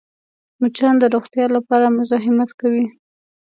مچان د روغتیا لپاره مزاحمت کوي